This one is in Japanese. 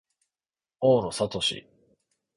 大野智